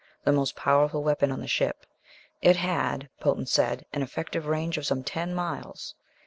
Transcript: The most powerful weapon on the ship. It had, Potan said, an effective range of some ten miles.